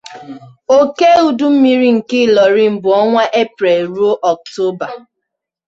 Oke udumiri nke Ilorin bų ǫnwa eprel rue ǫktoba.